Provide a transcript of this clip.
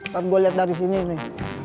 nanti gue lihat dari sini nih